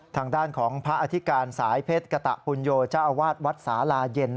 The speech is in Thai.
ทางด้านของพระอธิการสายเพศกระตะพุนโยจาวาสวัฒน์วัดสาราเย็น